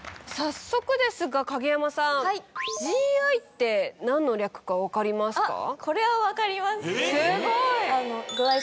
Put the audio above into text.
早速ですが影山さんＧＩって何の略か分かりますか？